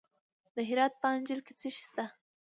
د هرات په انجیل کې څه شی شته؟